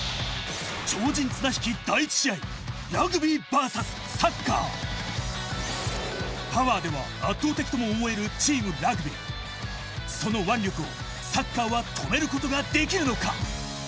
超人綱引き第１試合パワーでは圧倒的とも思えるチームラグビーその腕力をサッカーは止めることができるのか？